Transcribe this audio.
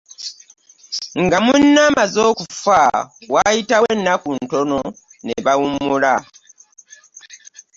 Nga munne amaze okufa waayitawo ennaku ntono ne bawummula.